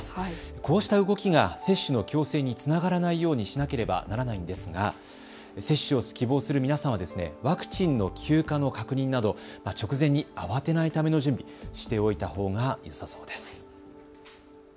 こうした動きが接種の強制につながらないようにしなければならないんですが接種を希望する皆さんはワクチンの休暇の確認など直前に慌てないための準備、しておいたほうがよさそうです。